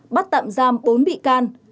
bắt tạm giam bốn bị can